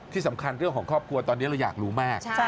ที่สำคัญเรื่องของครอบครัวตอนนี้เราอยากรู้มาก